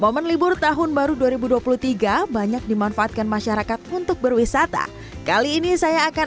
momen libur tahun baru dua ribu dua puluh tiga banyak dimanfaatkan masyarakat untuk berwisata kali ini saya akan